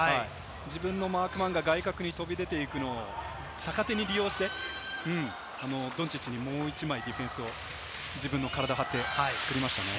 自分のマークマンが外角に出ていくのを利用して、ドンチッチにもう１枚ディフェンスを、自分の体を張って作りました。